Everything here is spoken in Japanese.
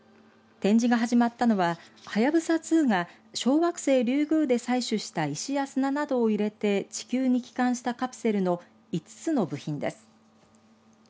展示が始まったのははやぶさ２が小惑星リュウグウで採取した石や砂などを入れて地球に帰還したカプセルの５つの部品です。